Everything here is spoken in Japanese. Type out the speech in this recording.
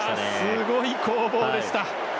すごい攻防でした。